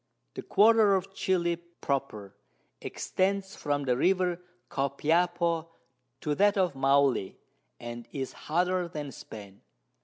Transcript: The Quarter of Chili proper extends from the River Copiapo to that of Maule, and is hotter than Spain.